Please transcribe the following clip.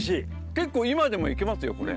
結構今でもいけますよこれ。